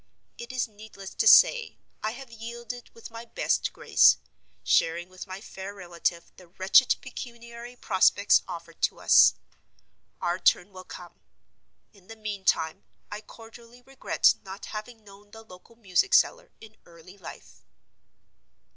It is needless to say, I have yielded with my best grace; sharing with my fair relative the wretched pecuniary prospects offered to us. Our turn will come. In the meantime, I cordially regret not having known the local music seller in early life.